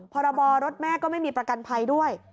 พรบรถแม่ก็ไม่มีประกันภัยด้วย